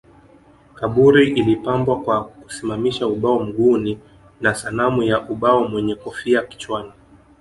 Kaburi ilipambwa kwa kusimamisha ubao mguuni na sanamu ya ubao mwenye kofia kichwani